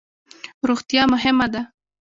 روغتیا مهمه ده